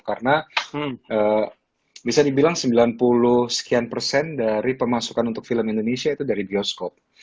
karena bisa dibilang sembilan puluh sekian persen dari pemasukan untuk film indonesia itu dari bioskop